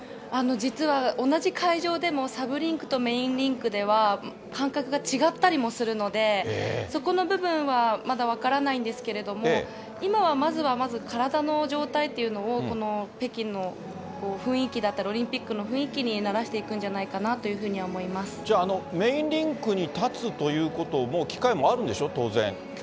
実は、同じ会場でも、サブリンクとメインリンクでは、感覚が違ったりもするので、そこの部分は、まだ分からないんですけれども、今はまずは、体の状態っていうのを、この北京の雰囲気だったり、オリンピックの雰囲気に慣らしていくんじゃないかなというふうにじゃあ、メインリンクに立つということも、機会もあるんでしょ、当然。